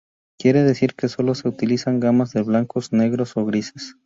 Quiere decir que sólo se utilizan gamas de blancos, negros o grises.